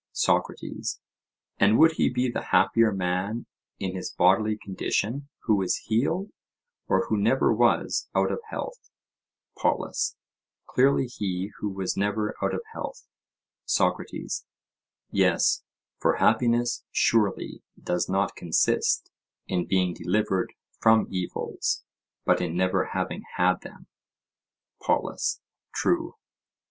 SOCRATES: And would he be the happier man in his bodily condition, who is healed, or who never was out of health? POLUS: Clearly he who was never out of health. SOCRATES: Yes; for happiness surely does not consist in being delivered from evils, but in never having had them. POLUS: True.